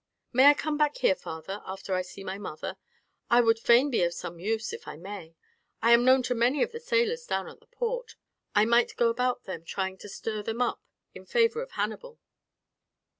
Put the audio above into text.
"May I come back here, father, after I see my mother? I would fain be of some use, if I may. I am known to many of the sailors down at the port; I might go about among them trying to stir them up in favour of Hannibal."